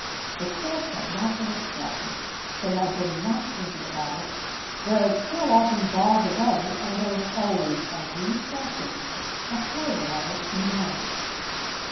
The cork had not been extracted; it had been knocked into the bottle, where it still often barred the way, and there was always, as we shall see, a flavour of it in the wine.